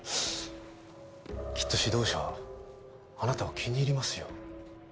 きっと指導者はあなたを気に入りますよ。